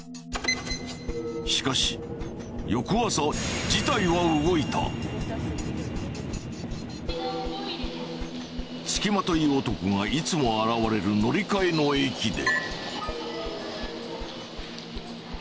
しかし翌朝つきまとい男がいつも現れる乗り換えの駅で。